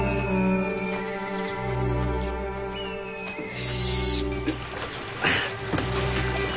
よし。